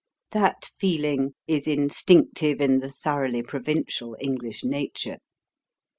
That feeling is instinctive in the thoroughly provincial English nature.